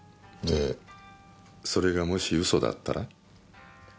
でそれがもし嘘だったら？